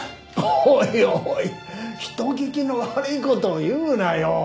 おいおい人聞きの悪い事を言うなよ。